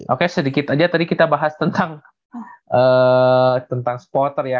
oke sedikit aja tadi kita bahas tentang supporter ya